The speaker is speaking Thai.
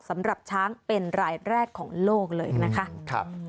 สำหรับช้างเป็นรายแรกของโลกเลยนะคะ